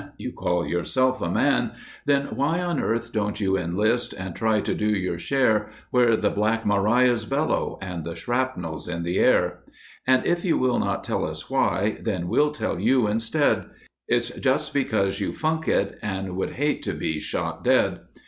You call yourself a man, Then why on earth don't you enlist And try to do your share Where the 'Black Marias' bellow And the shrapnel's in the air? And if you will not tell us why, Then we'll tell you instead. It's just because you funk it And would hate to be shot dead.